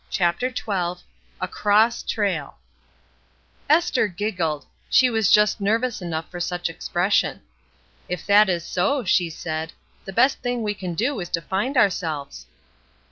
CHAPTER XII A "cross" trail ESTHER giggled; she was just nervous enough for such expression. "If that is so," she said, "the best thing we can do is to find ourselves."